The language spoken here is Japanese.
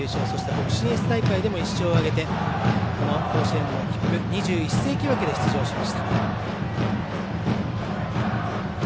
北信越大会でも１勝を挙げてこの甲子園の切符２１世紀枠で出場しました。